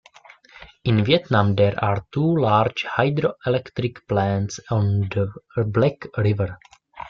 In Vietnam, there are two large hydroelectric plants on the Black River.